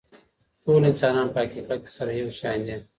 ټول انسانان په حقیقت کي سره یو شان دي.